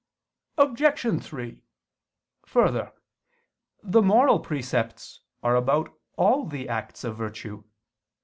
Obj. 3: Further, the moral precepts are about all the acts of virtue.